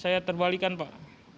saya terbalikan pak